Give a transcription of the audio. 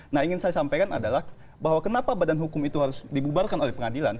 nah ingin saya sampaikan adalah bahwa kenapa badan hukum itu harus dibubarkan oleh pengadilan